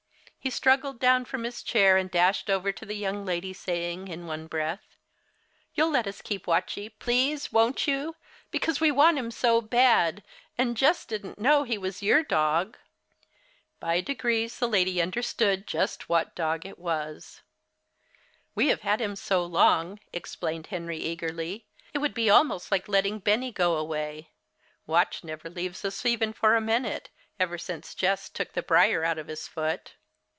He struggled down from his chair and dashed over to the young lady saying, in one breath, "You'll let us keep Watchie, please, won't you, because we want him so bad, and Jess didn't know he was your dog?" By degrees the lady understood just what dog it was. "We have had him so long," explained Henry, eagerly, "it would be almost like letting Benny go away. Watch never leaves us even for a minute, ever since Jess took the briar out of his foot."